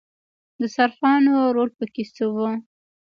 د صرافانو رول پکې څه و؟